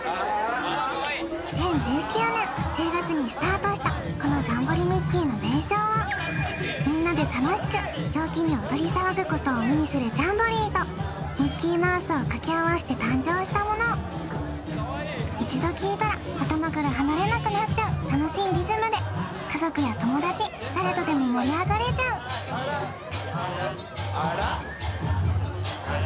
２０１９年１０月にスタートしたこのジャンボリミッキー！の名称はみんなで楽しく陽気に踊り騒ぐことを意味するジャンボリーとミッキーマウスを掛け合わせて誕生したもの一度聴いたら頭から離れなくなっちゃう楽しいリズムで家族や友達誰とでも盛り上がれちゃうあらっ！？